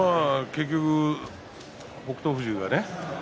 結局、北勝富士がね